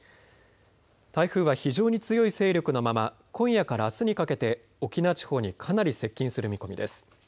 台風は非常に強い勢力のまま今夜からあすにかけて沖縄地方にかなり接近する見込みです。